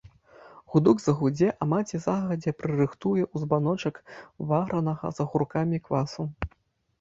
Гудок загудзе, а маці загадзя прырыхтуе ў збаночак варанага з агуркамі квасу.